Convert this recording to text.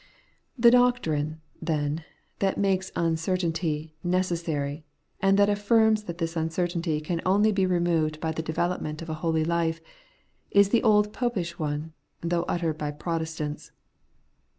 The doctrine, then, that makes uncertainty neces sary, and that afl&rms that this uncertainty can only be removed by the development of a holy life, is the old Popish one, though uttered by Protestants.